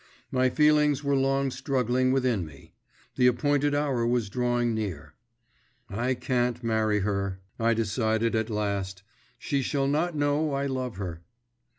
My feelings were long struggling within me. The appointed hour was drawing near. 'I can't marry her,' I decided at last; 'she shall not know I love her.